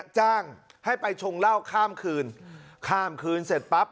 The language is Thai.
จ้างให้ไปชงเหล้าข้ามคืนข้ามคืนเสร็จปั๊บ